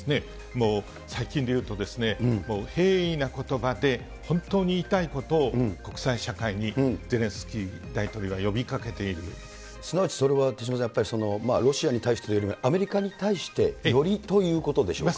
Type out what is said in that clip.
もう最近でいうと、平易なことばで、本当に言いたいことを国際社会にゼレンスキー大統領が呼びかけてすなわちそれは、手嶋さん、やっぱりロシアに対してというよりアメリカに対して、よりということでしょうか？